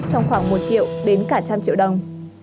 trong khoảng một triệu đến cả trăm triệu đồng